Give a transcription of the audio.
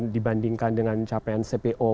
dibandingkan dengan capaian cpo